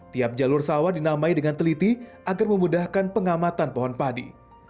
tiap jalur sawah dinamai dengan teliti agar memudahkan pengamatan pohon padi